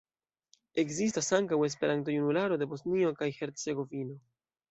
Ekzistas ankaŭ "Esperanto-Junularo de Bosnio kaj Hercegovino".